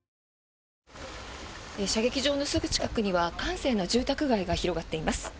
射撃場のすぐ近くには閑静な住宅街が広がっています。